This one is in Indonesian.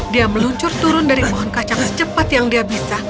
dia meluncur turun dari pohon kacang secepat yang dia bisa